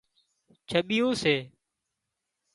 ڇٻيُون سي